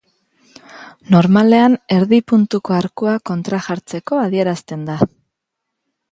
Normalean erdi puntuko arkua kontrajartzeko adierazten da.